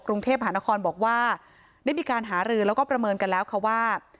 กรุงเทพหานครบอกว่าได้มีการหารือแล้วก็ประเมินกันแล้วค่ะว่า